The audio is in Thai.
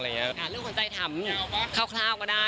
กรุงกลางใจทำเข้าคราวก็ได้